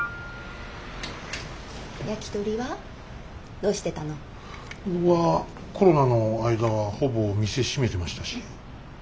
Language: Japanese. どうしてたの？はコロナの間はほぼ店閉めてましたし。